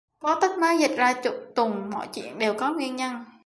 Có tích mới dịch ra tuồng: mọi chuyện đều có nguyên nhân